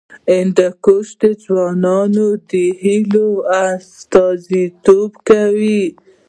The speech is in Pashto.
هندوکش د ځوانانو د هیلو استازیتوب کوي.